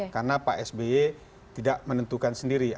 karena pak sby tidak menentukan sendiri